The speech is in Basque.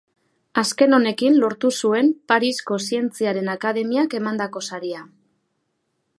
Azken honekin lortu zuen Parisko Zientziaren Akademiak emandako saria.